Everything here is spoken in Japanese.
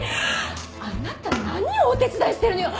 あなた何をお手伝いしてるのよ！